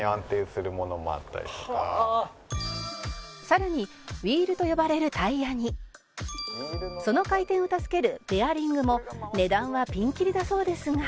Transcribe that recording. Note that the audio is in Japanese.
「さらにウィールと呼ばれるタイヤにその回転を助けるベアリングも値段はピンキリだそうですが」